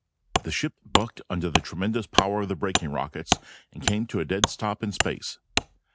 The ship bucked under the tremendous power of the braking rockets and came to a dead stop in space.